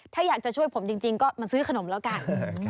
ถ้าอยากจะช่วยผมจริงก็มาซื้อขนมแล้วกัน